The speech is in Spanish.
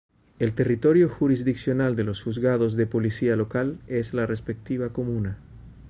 El territorio jurisdiccional de los juzgados de policía local es la respectiva comuna.